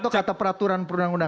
cata peraturan perundangan